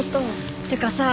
ってかさ